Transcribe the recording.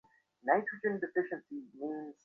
এই লোকটা দাবার গুটি চালাচ্ছে।